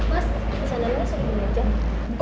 mas bisa lo langsung ke rumah aja